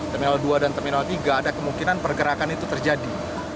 terminal dua dan terminal tiga ada kemungkinan pergerakan itu terjadi